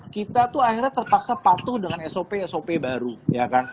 kita tuh akhirnya terpaksa patuh dengan sop sop baru ya kan